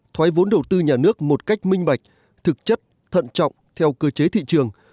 thoái vốn đầu tư nhà nước một cách minh bạch thực chất thận trọng theo cơ chế thị trường